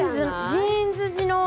ジーンズ地の。